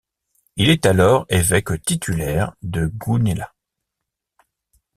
Il est alors évêque titulaire de Gunela.